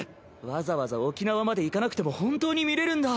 わざわざ沖縄まで行かなくても本当に見れるんだ。